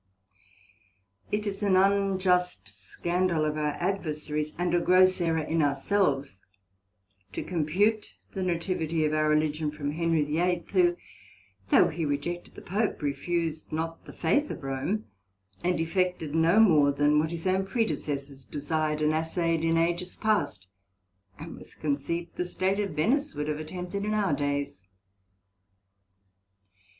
It is an unjust scandal of our adversaries, and a gross errour in our selves, to compute the Nativity of our Religion from Henry the Eighth, who, though he rejected the Pope, refus'd not the faith of Rome, and effected no more than what his own Predecessors desired and assayed in Ages past, and was conceived the State of Venice would have attempted in our days.